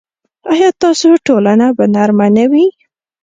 ایا ستاسو تولیه به نرمه نه وي؟